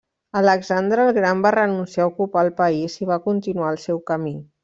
Alexandre el Gran va renunciar a ocupar el país i va continuar el seu camí.